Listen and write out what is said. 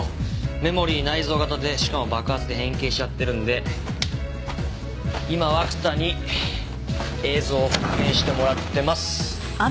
メモリー内蔵型でしかも爆発で変形しちゃってるんで今涌田に映像を復元してもらってます。